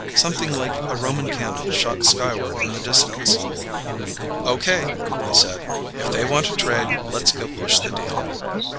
Something like a Roman candle shot skyward in the distance. "Okay!" he said. "If they want to trade, let's go push the deal